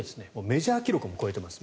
メジャー記録も超えています。